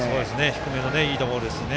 低めのいいところですね。